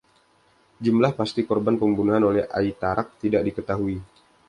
Jumlah pasti korban pembunuhan oleh Aitarak tidak diketahui.